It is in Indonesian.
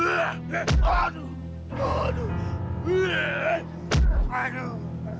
aduh aduh aduh